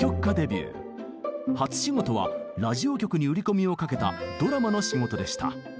初仕事はラジオ局に売り込みをかけたドラマの仕事でした。